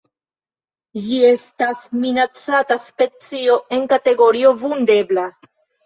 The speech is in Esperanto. Ĝi estas minacata specio en kategorio Vundebla.